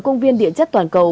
công viên địa chất toàn cầu